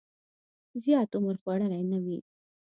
زیات عمر خوړلی نه وي.